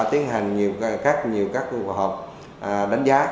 cơ quan của chúng tôi cũng đã tiến hành nhiều các cuộc họp đánh giá